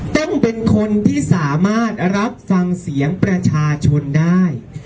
ต้องเป็นคนที่สามารถรับฟังเสียงประชาชนได้